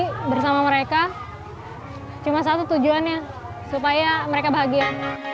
kita bersama mereka cuma satu tujuannya supaya mereka bahagia